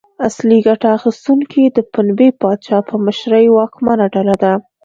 اصلي ګټه اخیستونکي د پنبې پاچا په مشرۍ واکمنه ډله ده.